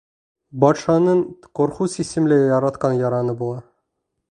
Батшаның Корхуз исемле яратҡан яраны була.